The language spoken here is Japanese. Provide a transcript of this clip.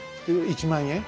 １万円。